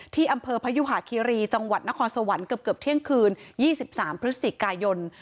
ที่อำเภอพยุหาคีรีจังหวัดนครสวรรค์เกือบเกือบเที่ยงคืนยี่สิบสามพฤศจิกย์กายน